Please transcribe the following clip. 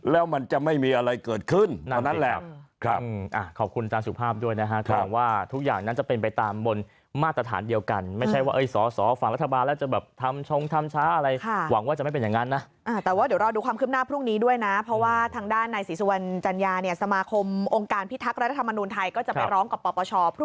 แล้วมันจะไม่มีอะไรเกิดขึ้นเท่านั้นแหละ